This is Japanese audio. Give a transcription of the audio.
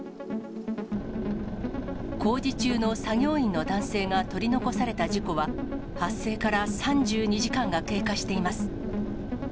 工事中の作業員の男性が取り残された事故は、発生から３２時間が経過しています。